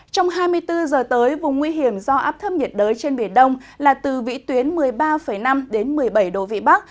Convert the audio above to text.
trong hai mươi bốn giờ tới vùng nguy hiểm do áp thấp nhiệt đới trên biển đông là từ vĩ tuyến một mươi ba năm đến một mươi bảy độ vị bắc